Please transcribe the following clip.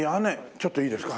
ちょっといいですか？